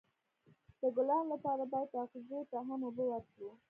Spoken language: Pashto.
د ګلانو لپاره باید اغزو ته هم اوبه ورکړو.